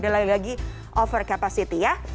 selanjutnya ada juga kapasitasnya